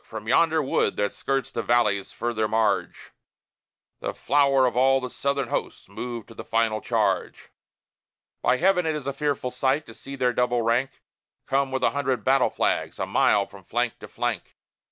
from yonder wood that skirts the valley's further marge, The flower of all the Southern host move to the final charge. By Heaven! it is a fearful sight to see their double rank Come with a hundred battle flags, a mile from flank to flank!